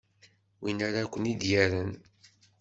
Win ara ken-i d-yerren.